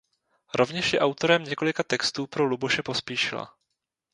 Rovněž je autorem několika textů pro Luboše Pospíšila.